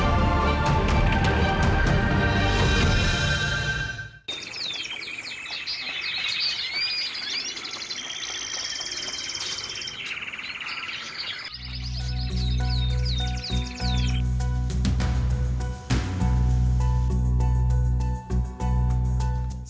saya juga bisa berpengalaman saya juga bisa berpengalaman